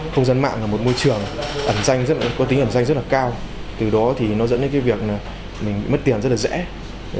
không dân mạng là một môi trường có tính ẩn danh rất cao từ đó nó dẫn đến việc mình mất tiền rất dễ